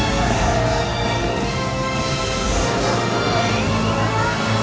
tidak tidak tidak